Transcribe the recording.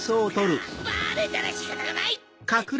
バレたらしかたがない！